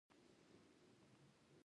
صلہ رحمي وکړئ